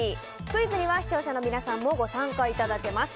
クイズには視聴者の皆さんもご参加いただけます。